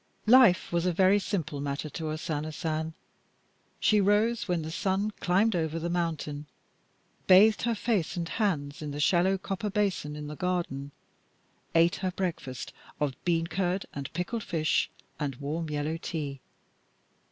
Life was a very simple matter to O Sana San. She rose when the sun climbed over the mountain, bathed her face and hands in the shallow copper basin in the garden, ate her breakfast of bean curd and pickled fish and warm yellow tea.